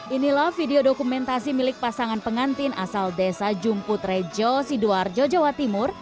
inilah video dokumentasi milik pasangan pengantin asal desa jumput rejo sidoarjo jawa timur